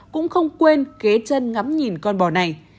cũng không quên kế chân ngắm nhìn con bò này